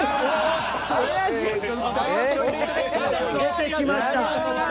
出てきました。